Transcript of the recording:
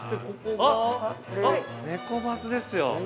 ◆あっ、ネコバスですよ。